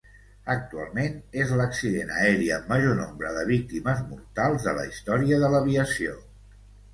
Actualment és l'accident aeri amb major nombre de víctimes mortals de la història de l'aviació.